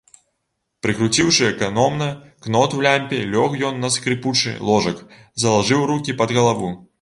Прыкруціўшы эканомна кнот у лямпе, лёг ён на скрыпучы ложак, залажыў рукі пад галаву.